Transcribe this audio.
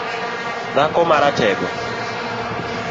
Dhako maratego